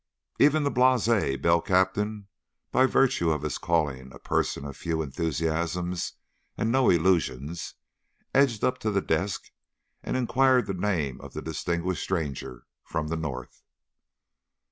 Even the blase bell captain, by virtue of his calling a person of few enthusiasms and no illusions, edged up to the desk and inquired the name of the distinguished stranger "from the No'th."